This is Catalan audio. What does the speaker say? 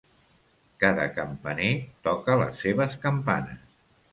Cada campaner toca les seves campanes.